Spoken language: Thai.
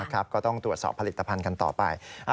ก็ต้องตรวจสอบผลิตภัณฑ์กันต่อไป